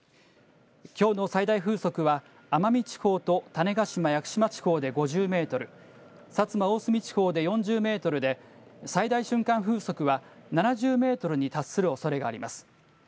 きょうの最大風速は奄美地方と種子島・屋久島地方で５０メートル、薩摩・大隅地方で４０メートルで、最大瞬間風速は７０メートルに達するおそれがあります。